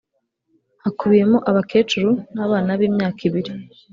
hakubiyemo abakecuru n’ abana b’imyaka ibiri